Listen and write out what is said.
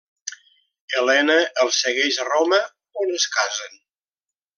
Elena el segueix a Roma on es casen.